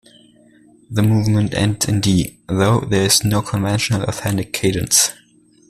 The movement ends in D, though there is no conventional authentic cadence.